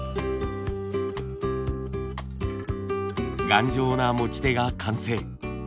頑丈な持ち手が完成。